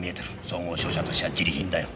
総合商社としてはじり貧だよ。